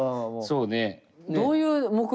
そうね。